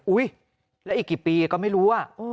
อุ๊ยแล้วอีกกี่ปีก็ไม่รู้